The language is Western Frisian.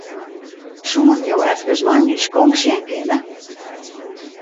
Soenen jo efkes nei myn skonk sjen kinne?